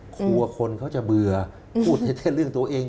กลัวคนเขาจะเบื่อพูดแค่เรื่องตัวเอง